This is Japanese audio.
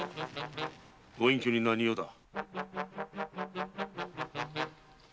ご隠居に何用だ？